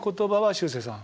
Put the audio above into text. しゅうせいさん。